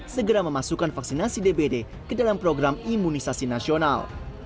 segera memasukkan vaksinasi dbd ke dalam program imunisasi nasional